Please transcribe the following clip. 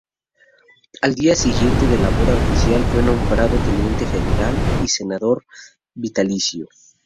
Al día siguiente de la boda oficial fue nombrado teniente general y senador vitalicio.